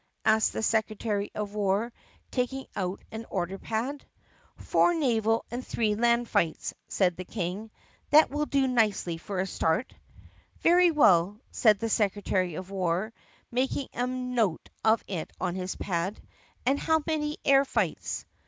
asked the secretary of war taking out an order pad. "Four naval and three land fights," said the King. "That will do nicely for a start." "Very well," said the secretary of war, making a note of it on his pad. "And how many air fights?"